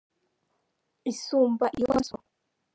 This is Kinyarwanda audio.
isumba iyo kwa so?